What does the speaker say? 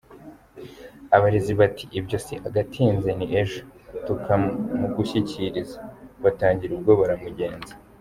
Abarezi bati “Ibyo si agatinze ni ejo tukamugushyikiriza!” Batangira ubwo baramugenza.